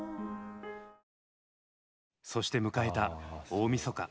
そして迎えた大みそか。